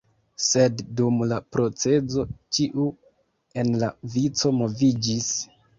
Sed dum la procezo, ĉiu en la vico moviĝis.